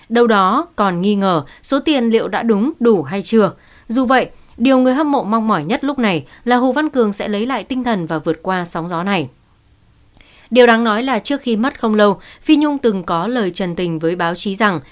đáng nói là trước khi mất không lâu phi nhung từng có lời trần tình với báo chí rằng